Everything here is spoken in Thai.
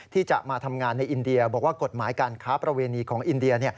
ที่จะมาทำงานในอินเดียบอกว่ากฎหมายการค้าประเวณีของอินเดีย